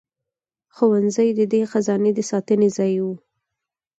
ښوونځي د دې خزانې د ساتنې ځای وو.